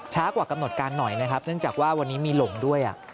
ช้ากว่ากำหนดการหน่อยนะครับเนื่องจากว่าวันนี้มีลมด้วย